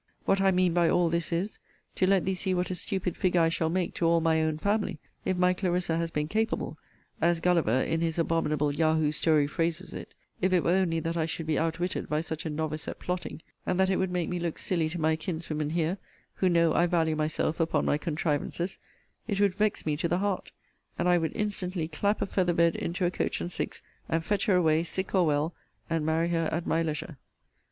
What I mean by all this is, to let thee see what a stupid figure I shall make to all my own family, if my Clarissa has been capable, as Gulliver in his abominable Yahoo story phrases it, if it were only that I should be outwitted by such a novice at plotting, and that it would make me look silly to my kinswomen here, who know I value myself upon my contrivances, it would vex me to the heart; and I would instantly clap a featherbed into a coach and six, and fetch her away, sick or well, and marry her at my leisure.